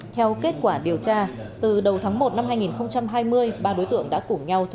theo kết quả điều tra từ đầu tháng một năm hai nghìn hai mươi